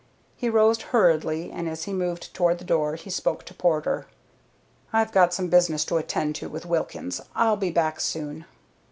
He rose hurriedly, and as he moved toward the door he spoke to Porter. "I've got some business to attend to with Wilkins. I'll be back soon."